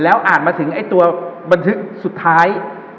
อ่านมาถึงไอ้ตัวบันทึกสุดท้าย